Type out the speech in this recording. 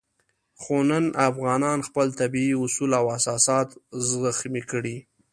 خو نن افغانانو خپل طبیعي اصول او اساسات زخمي کړي.